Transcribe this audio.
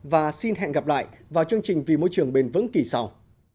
và xin hẹn gặp lại vào chương trình vì môi trường bền vững kỳ sau